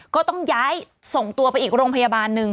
ก็ต้องย้ายส่งตัวไปอีกโรงพยาบาลหนึ่ง